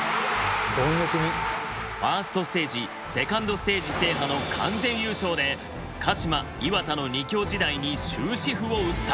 ファーストステージセカンドステージ制覇の完全優勝で鹿島磐田の２強時代に終止符を打った。